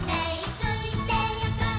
ついてゆく」